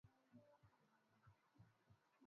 Jana si leo na leo ni tofauti na kesho